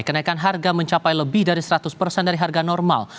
kenaikan harga mencapai lebih dari seratus persen dari harga normal